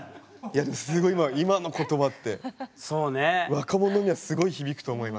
すごい今の言葉って若者にはすごい響くと思います。